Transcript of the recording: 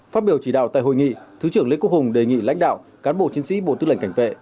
phát biểu chỉ đạo tại hội nghị thứ trưởng lê quốc hùng đề nghị lãnh đạo cán bộ chiến sĩ bộ tư lệnh cảnh vệ